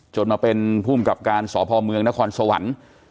มาเป็นภูมิกับการสพเมืองนครสวรรค์